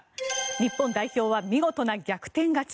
日本代表は見事な逆転勝ち。